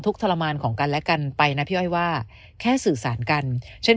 ทุกข์ทรมานของกันและกันไปนะพี่ว่าแค่สื่อสารกันฉัน